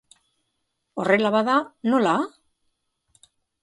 Horrela bada, nola?